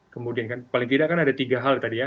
kemudian kan paling tidak kan ada tiga hal tadi ya